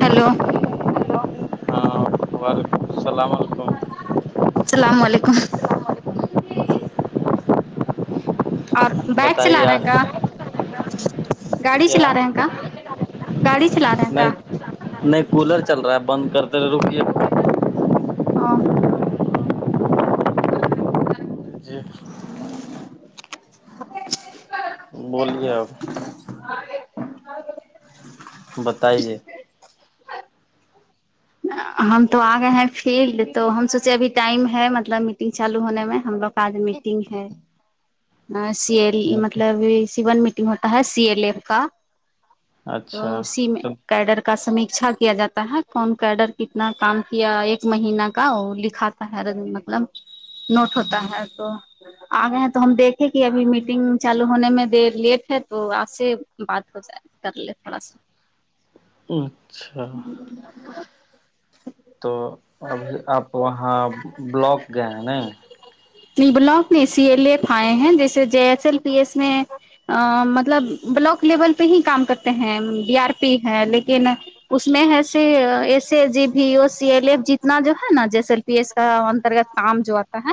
hello ہاں وعلیکم السلام ع اللام علیکم اور بیک چلا بتائیے رہے آپ ہیں کا گاڑی چلا کیا رہے ہیں کا گاڑی چلا رہا نہیں نہیں کولر چل رہا ہے بند کرتے رہے رکیے ہاں جی [unintelligible] بولیے آب [unintelligible] بتائیے [inaudible] ہم تو آ گئے ہیں فیلڈ تو ہم سوچے ابھی ٹائم ہے م مطلب میٹنگ چالو ہونے میں ہم لوگ کا آج میٹنگ ہے سی مطلب سیون میٹنگ ہوتا ہے سی ایل ا کا تو اچھا اسی میں تو کیڈر کا سیھا کیا جاتا ہے کون کیڈر کتنا کام کیا ایک مہین کا لکھات تا مطلب نوٹ ہوتا ہے تو آ گئے ہیں تو ہم دیکھیں کہ ابھی میٹنگ چالو ہونے میں دیر لیٹ ہے تو آ سے بات ہو جائے کر لے تھوڑا سا اچھا تو ابھی آپ وہاں بلاک گئے ہیں نا بلاک میں سی ایل ا آائے ہیں جیسے J S L P S میں ا مطلب بلاک لیول پہ ہی کام کرتے ہیں بی آر پی ہے لیکن اس میں ہےس ایس ای جی بھی اور سی ایل ایف جتنا جو ہے نا جیسل پی ایس کا ر کام جو آتا ہے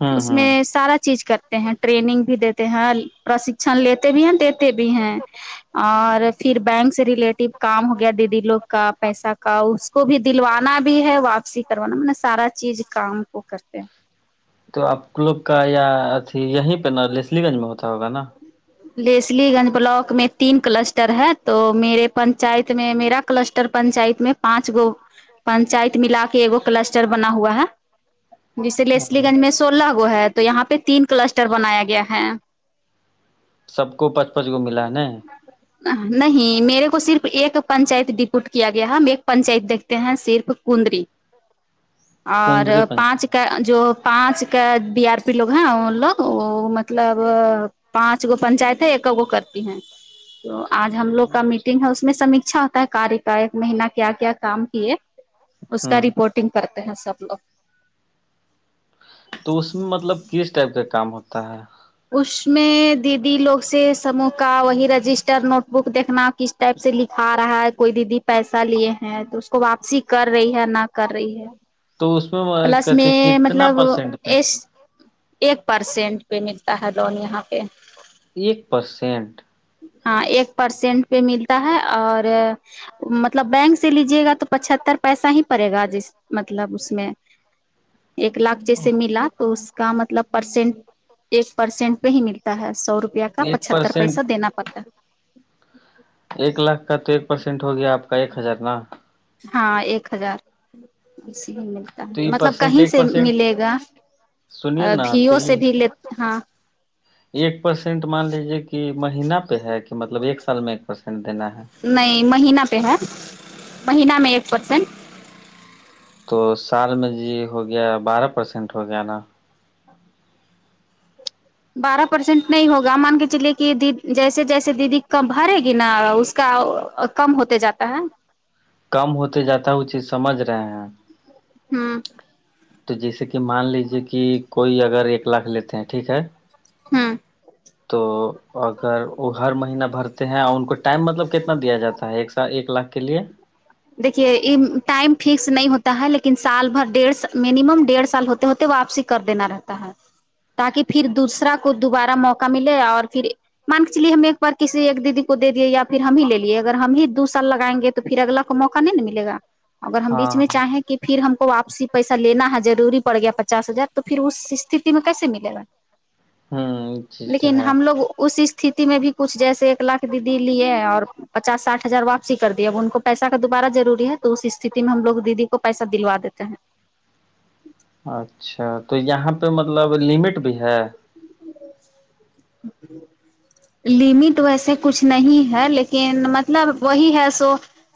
ہوں اس ہوں میں سارا چیز کرتے ہیں ٹریننگ بھی دیتے ہیں پرشکھن لیتے بھی ہیں دیتے بھی ہیں اور پھر بینک سے ریلیٹیو کام ہو گیا دیدی لوگ کا پیسہ کا اس کو بھی دلوانا بھی ہے واپسی کروانا م سارا چیز کام کو کرتے ہیں تو آپ لوگ کا یا اھی یہیں پہ نا لسلی گنج میں ہوتا ہوگا نا لسلی گنج بلاک میں تین کلسٹر ہے تو میرے پنچایت میں میرا کلسٹر پنچایت میں پانچ گو پنچایت ملا کے ایگو کلسٹر بنا ہوا ہے جیسے لسلی گنج میں سولہ گو ہے تو یہاں پہ تین کلسٹر بنایا گیا ہے سب کو پانچ پانچ گو ملا ہے نا نہیں میرے کو صرف ایک پنچایت ڈپوٹ کیا گیا ہم ایک پنچایت دیکھتے ہیں صرف کندری اور کندری پنچ پانچ کا جو پانچ کا بی آر پی لوگ ہیں ان لوگ وہ مطلب پانچ گو پنچایت ہے ایک گو کرتی ہیں تو آج ہم لوگ کا میٹنگ ہے اس میں سیھا ہوتا ہے کار کا ایک مہینہ کیا کیا کام کیے اس کا ہوں رپورٹنگ کرتے ہیں سب لوگ تو اس میں مطلب کس ٹائپ کا کام ہوتا ہے اس میں دیدی لوگ سے سموہ کا وہی رجسٹر نوٹ بک دیکھنا کس ٹائپ سے لکھا رہا ہے کوئی دیدی پیسہ لیے ہیں تو اس کو واپسی کر رہی ہے نہ کر رہی ہے تو اس میں پلس کہتے میں کتنا مطلب پرسینٹ پہ ایس ایک پرسینٹ پہ ملتا ہے لون یہاں پہ ایک پرسینٹ ہاں ایک پرسینٹ پہ ملتا ہے اور مطلب بینک سے لیجے گا تو پچھتر پیسہ ہی پڑے گا ج مطلب اس میں ایک لاکھ جیسے ملا تو اس کا مطلب پرسینٹ ایک پرسینٹ پہ ہی ملتا ہے سو روپیہ کا ایک پچھتر پیسہ پرسینٹ دینا پڑتا ہے ایک لاکھ کا تو ایک پرسینٹ ہو گیا آپ کا ایک ہزار نا ہاں ایک ہزار اس تو یہ مطلب پرسینٹ کہیں ایک سے پرسینٹ ملے گا سنیے نا تو بھیو سے یہ بھی ل ہاں ایک پرسینٹ مان لیجیے کہ مہین پہ ہے کہ مطلب ایک سال میں ایک پرسینٹ دینا ہے نہیں مہینہ پہ ہےت مہینہ میں ایک پرسینٹ تو سال میں جی ہو گیا بارہ پرسینٹ ہو گیا نا بارہ پرسینٹ نہیں ہوگا مان کے چلیے کہ جیسے جیسے دیدی کبارے گی نا اس کا کم ہوتے جاتا ہے کم ہوتے جاتا ہے وہ چیز سمجھ رہے ہیں ہمم تو جیسے کہ مان لیجیے کہ کوئی اگر ایک لاکھ لیتے ہیں ٹھیک ہے ہاں تو اگر وہ ہر مہینہ بھرتے ہیں اور ان کو ٹائم مطلب کتنا دیا جاتا ہے ایک سر ایک لاکھ کے لیے دیکے ٹائم فکس نہیں ہوتا ہے لیکن سال بھر ڈھ منیمم ڈیڑھ سال ہوتا ہوتے واپسی کر دینا رہتا ہے تاکہ پھر دوسرا کو دوبارہ موقع ملے اور پھر مان کے چلیے ہمیں ایک بار کسی ایک دیدی کو دے دیے یا پھر ہم ہی لے لیے اگر ہم ہی دو سال لگائیں گے تو پھر اگلا موقع نہیں ملے گا اگر ہم ہاں بیچ میں چاہیں تو کہ پھر ہم کو واپسی پیسہ لینا ہے ضروری پڑ گیا پچاس ہزار تو پھر اس استھتی میں کیسے ملے گا ہوں چیز تو لیکن ہے ہم لوگ اس اس استیتھی میں بھی کچھ جیسے ایک لاکھ دیدی لیے اور پچاساٹھ ہزار واپسی کر دی اب ان کو پیسہ دوبارہ ضوری ہے تو استھتی میں ہم لگ دیدی کو پیسہ دلوا دیتے ہیں اچھا تو یہاں پہ مطلب لمٹ بھی ہے [inaudible] لمٹ ویسے کچھ نہیں ہے لیکن مطلب وہی ہے سو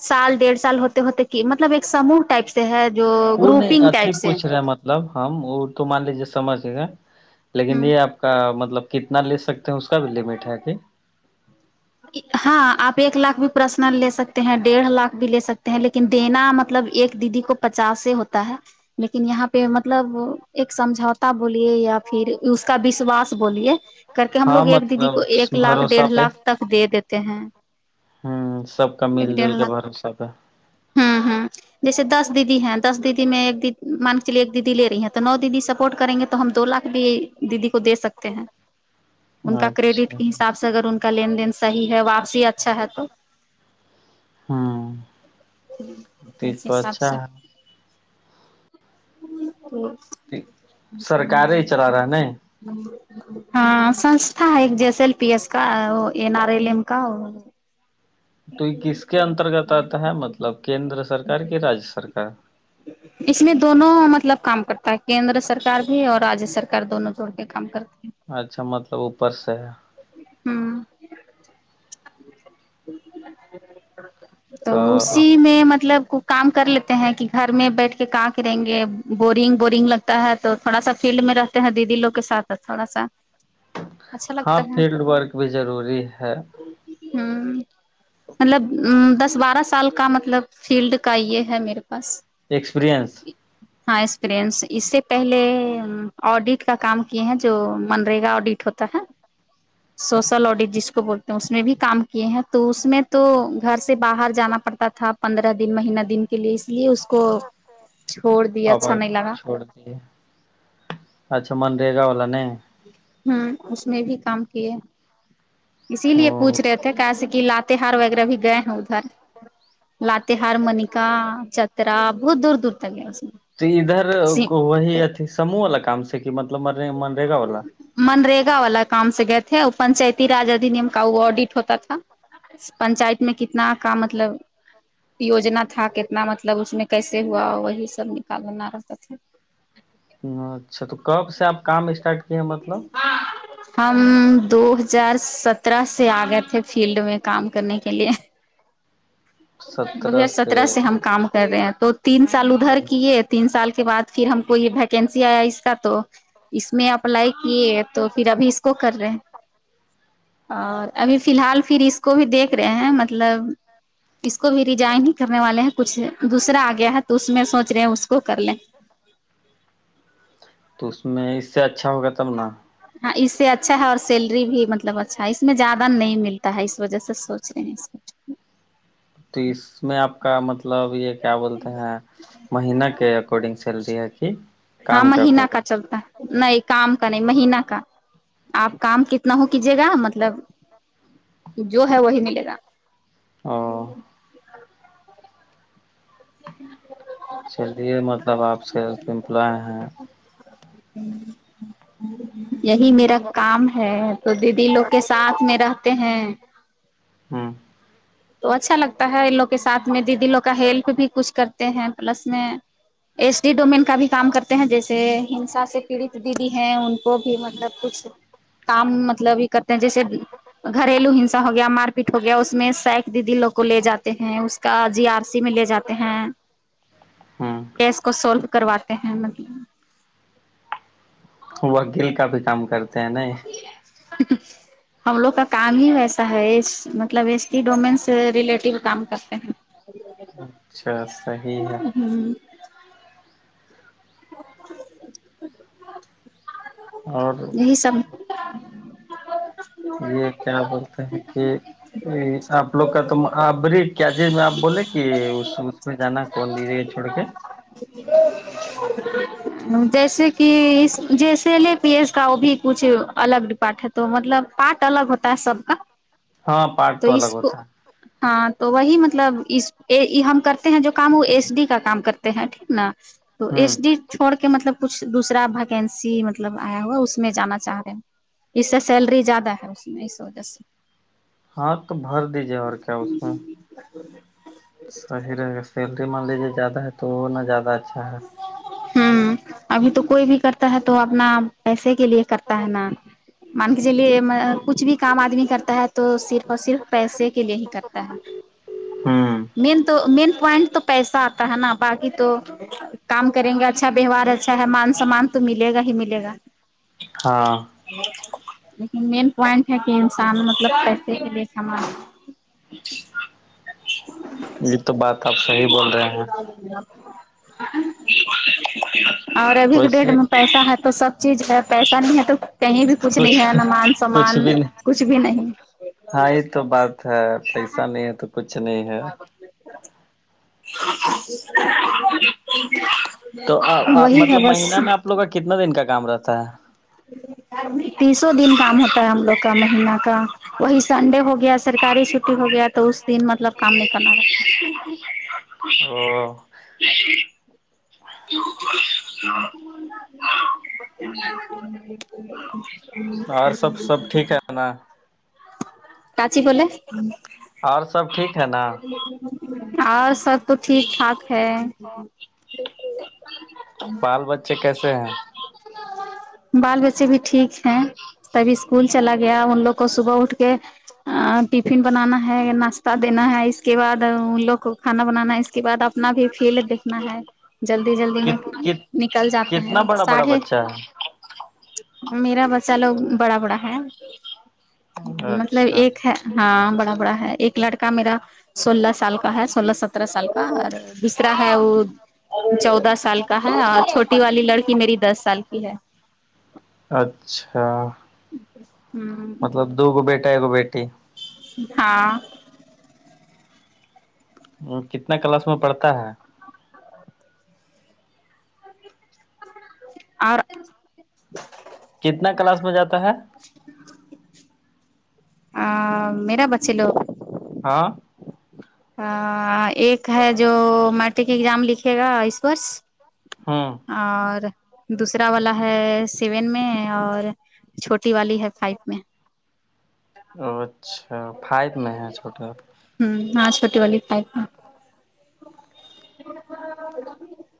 سال ڈیڑھ سال ہوتے ہوتے کہ مطلب ایک سموہ ٹائپ سے ہے جو وہ نہیں گروپنگ ٹائپ اھی سے پوچھ رہے ہیں مطلب ہم وہ تو مان لیجیے سمجھے گا لیکن ہوں یہ آپ کا مطلب کتنا لے سکتے اس کا بھی لمٹ ہے کہ ہاں آپ ایک لاکھ بھی پرسنل لے سکتے ہیں ڈیڑھ لاکھ بھی لے سکتے ہیں لیکن دینا مطلب مطلب ایک دیدی کو پچاس سے ہوتا ہے لیکن یہاں پہ مطلب ایک سمجھوتا بولیے یا پھر اس کا وشواس بولیے کر کے ہم ہاں لوگ ایک دیدی مطلب کو ایک لاکھ بھروسہ ڈیھ لاکھ تک دے دیتے ہیں ہوں سب کا مل جل کے بھروسہ تھا ہاں ہاں جیسے دس دیدی ہیں دس دیدی میں ایک دیدی مان کے چلیے ایک دیدی لے رہی ہیں تو نو دیدی سپورٹ کریں گے تو تو ہم دو لاکھ بھی دیدی کو دے سکتے ہیں ان کا کریڈٹ اچھا کے حساب سے اگر ان کا لین دین صحیح ہے واپسی اچھا ہے تو ہوں یہ اس تو حساب اچھا سے [inaudible] سرکاریں چلا رہا نے ہاں سنستیھا ہے ایک جیسیل ایل پی ایل کا آر ایل ایم کا تو یہ کس کے انترگت آتا ہے مطلب کیندر سرکار کہ رجیہ سرکار [inaudible] اس میں دونوں مطلب کام کرتا ہے کیندر سرکار بھی اور رجیہ سرکار دونوں جوڑ کے کام کرتی اچھا مطلب اوپر سے ہے ہاں تو اسی میں مطلب کام کر لیتے ہیں کہ گھر میں بیٹھ کے کہاں کے رہیں گے بورنگ بورنگ لگتا ہے تو تھوڑا سا فیلڈ میں ہیں دیدی لوگ کے ساتھ تھوڑا سا اچھا ہاں لگتا ہے فیلڈ ورک بھی ضروری ہے ہوں مطلب دس بارہ سال کا مطلب فیلڈ کا یہ ہے میرے پاس ایکسپریئنس ہاں ایکسپرینس اس سے پہلے آڈٹ کا کام کیے ہیں جو منرے گا آڈٹ ہوتا ہے سوسل آڈٹ جس کو بولتے ہیں اس میں بھی کام کیے ہیں تو اس میں تو گھر سے باہر جانا پڑتا تھا پندرہ دن مہینہ دن کے لیے اس لیے اس کو چھوڑ دیا اب اچھا نہیں لگا چھوڑ اچھا منریگا والا نے ہاں اس میں بھی کام کیے اسی لیے پوچھ ہ رہے تھے کیسے کہ لات بہار وغیرہ بھی گئے ہیں ادھر لتے ہار منکا چترا بہت دور دور تک گے اس میں تو ادھر سم کو وہی اتیھی سموہ والا کام سیکھی مطلب منریگا والا منریگا والا کام سے گئے تھے وہ پنچایتی راج ادھی نیم کا وہ آڈٹ ہوتا تھا پنچایت میں کتنا کا مطلب یوجنا تھا کتنا مطلب اس میں کیسے ہوا وہی سب نکالنا رہتا تھا اچھا تو کب سے آپ کام اسٹارٹ کیے مطلب ہم دو ہزار سترہ سے آ گئے تھے فیلڈ میں کام کرنے کے لیے دو ہزار سترہ سے ہم کام کر رہے ہیں تو تین سال ادھر تب کیے تین سال کے بعد پھر ہم کو یہ ویکنسی آیا اس کا تو اس میں اپلائی کیے تو پھر ابھی اس کو کر رہے ہیں اور ابھی فی الحال پھر اس کو بھی دیکھ رہے ہیں مطلب اس کو بھی ریجائن ہی کرنے والے ہیں کچھ دوسرا آ گیا ہے تو اس میں سوچ رہے ہیں اس کو کر لیں تو اس میں اس سے اچھا ہوگا تب نا ہاں اس سے اچھا ہے اور سیلری بھی مطلب اچھا ہے اس میں زیادہ نہیں ملتا ہے اس وجہ سے سوچ رہے ہیں اس تو اس میں آپ کا مطلب یہ کیا بولتے ہیں مہین کے اکارڈنگ سیلری ہے کہ ہاں کام کے مہینہ کا اکارڈنگ چلتا ہے نہیں کام کا نہیں مہینہ کا آپ کام کتنا ہو کیجیے گا مطلب جو ہے وہی ملے گا او ج [unintelligible] چلیے مطلب آپ سیلف امپلائے ہیں ہوں یہی میرا کام ہے تو دیدی لوگ کے ساتھ میں رہتے ہیں ہاں تو اچھا لگتا ہے ان لوگ کے ساتھ میں دیدی لوگ کا ہیلپ بھی کچھ کرتے ہیں پلس میں ایس ڈی ڈوومین کا بھی کام کرتے ہیں جیسے ہنسا سے پیڑت دیدی ہیں ان کو بھی مطلب کچھ کام مطلب یہ کرتے ہیں جیسے گھریلو ہنسا ہو گیا مار پیٹ ہو گیا اس میں س دیدی لوگ کو لے جاتے ہیں اس کا جی آر سی میں لے جاتے ہیں ہوں کیس کو سولو کرواتے ہیں مطلب وہ گل کا بھی کام کرتے ہیں نا [inaudible] ہم لوگ کا کام ہی ویسا ہے مطلب اس کی ڈومین سے ریلیٹیو کام کرتے ہیں [inaudible] اچھا صحی ہے ہ [inaudible] اور [unintelligible] ہی یہ کیا بولتے ہیں کہ آپ لوگ کا تو آ بری کیا جی میں آپ بولے کہ اس پھر جانا کون دیے چھڑ کے [inaudible] جیسے کہ جیسل پی ایس کا وہ بھی کچھ الگ پارٹ تو مطلب پارٹ الگ ہوتا ہے سب کا ہاں پارٹ تو اس الگ کو ہوتا ہاں تو وہی مطلب ہم کرتے ہیں جو کام وہ ایس ڈی کا کام کرتے ہیں ٹھیک نا تو ہے ہوں ایس ڈی چھوڑ کے مطلب کچھ دوسرا ویکنسی مطلب آیا ہوا اس میں جانا چاہ رہے ہیں اس سے سیلری زیادہ ہے اس میں اس وجہ سے ہاں تو بھر دیجیے اور کیا اس میں ل [unintelligible] ساہی رگست سیلری ماری جو زیادہ ہے تو وہ ن زیادہ اچھا ہے ہوں ابھی تو کوئی بھی کرتا ہے تو اپنا پیسے کے لیے کرتا ہے نا مان کے چلیے کچھ بھی کام آدمی کرتا ہے تو صرف اور صرف پیسے کے لیے ہی کرتا ہے ہوں مین تو مین پوائنٹ تو پیسہ آتا ہے نا باقی تو کام کریں گے اچھا ووہار اچھا ہے مان سمان تو ملے گا ہی ملے گا ہاں لیکن مین پوائنٹ ہے کہ انسان مطلب کیسے کے لے سانا یہ تو بات آپ صحیح بول رہے ہیں اور ابھی کے ڈیٹ ویسے میں پیسہ تو سب چیز ہے پیسہ نہیں ہے تو کہیں بھی کچھ نہیں ہے ن مان کچھ سمان بھی نہیں کچھ بھی نہیں ہاں یہ تو بات ہے پیسہ نہیں ہے تو کچھ نہیں ہے وہی ہے بس آ لوگ کا کتنا دن کا کام رہتا ہے تیسوں دن کام ہوتا ہے ہم لوگ کا مہینہ کا وہی سنڈے ہو گیا سرکاری چھٹی ہو گیا تو اس دن مطلب کام نہیں کرنا رہتے ہ [unintelligible] ج [unintelligible] [inaudible] اور سب سب ٹھیک ہے نا کاچی ب [inaudible] ہوں [unintelligible] اور سب ٹھیک ہے نا اور سب تو ٹھیک ٹھاک ہے ہے [inaudible] ہاں [unintelligible] بال بچے کیسے ہیں [inaudible] بال بچے بھی ٹھیک ہیں تبھی اسکول چلا گیا ان لوگ کو صبح اٹھ کے ٹفن بنانا ہے ناشتہ دینا ہے اس کے بعد ان لوگ کو کھانا بنانا ہے اس کے بد اپنا بھی فیلڈ دیکھنا ہے جلدی جلدی میں کت کت نکل جاتے ہیں کتنا بڑا بڑا ساڑھے بچہ میرا بچہ لوگ بڑا بڑا ہے ہے مطلب اچھا ایک ہے ہاں بڑا بڑا ہے ایک لڑکا میرا سولہ سال کا ہے سولہ سترہ سال کا اور دوسرا ہے وہ چودہ سال کا ہے اور چھوٹی والی لڑکی میری دس سال کی ہے اچھا ہوں مطلب دو گو بیٹا ایکگو بیٹی ہاں کتنا کلاس میں پڑھتا ہے اور کتنا کلاس میں جاتا ہے ا میرا بچے لوگ ہاں ایک ہے جو میٹرک ایگزام لکھے گا اسپورس ہاں اور دوسرا والا ہے سیون میں اور چھوٹی والی ہے فائو میں او اچھا فائد میں ہے چھوٹے ہوں آاں چوٹی واللیت آتا ہاں ب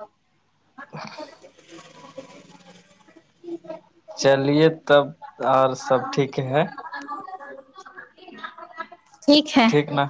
[inaudible] ک جٹ چلیے تب اور سب ٹھیک ہے ٹھیک ہے ٹیکنا